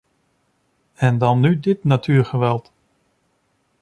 En dan nu dit natuurgeweld.